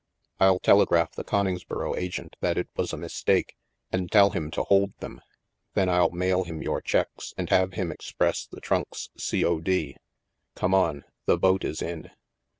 " I'll telegraph the Coningsboro agent that it was a mistake and tell him to hold them. Then V\\ mail him your checks and have him express the tfimks, C. O. D. Come on. The boat is in."